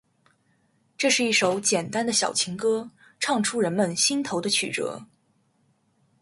这是一首简单的小情歌，唱出人们心头的曲折